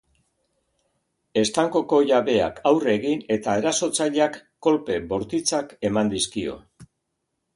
Estankoko jabeak aurre egin eta erasotzaileak kolpe bortitzak eman dizkio.